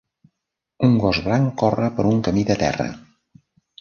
Un gos blanc corre per un camí de terra.